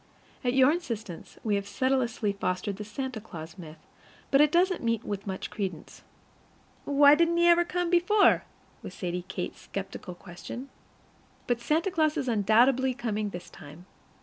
At your insistence, we have sedulously fostered the Santa Claus myth, but it doesn't meet with much credence. "Why didn't he ever come before?" was Sadie Kate's skeptical question. But Santa Claus is undoubtedly coming this time.